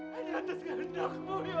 hanyataskan hendakmu ya allah